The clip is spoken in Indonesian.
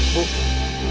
bener kan ibu